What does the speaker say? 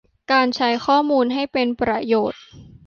การใช้ข้อมูลให้เป็นประโยชน์